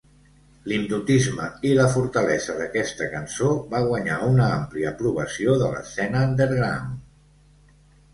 L'hipnotisme i la fortalesa d'aquesta cançó va guanyar una àmplia aprovació de l'escena underground.